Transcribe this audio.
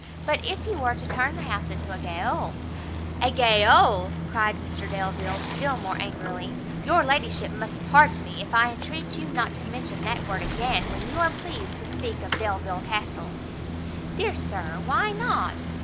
But, if you were to turn the house into a gaol " "A gaol?" cried Mr Delvile, still more angrily, "your ladyship must pardon me if I entreat you not to mention that word again when you are pleased to speak of Delvile Castle." "Dear Sir, why not?"